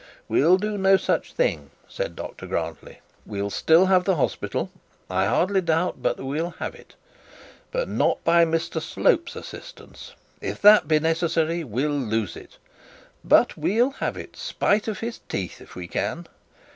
We'll do no such thing,' said Dr Grantly; 'we'll still have the hospital. I hardly doubt but that we'll have it. But not by Mr Slope's assistance. If that be necessary, we'll lose it; but we'll have it, spite of his teeth, if we can.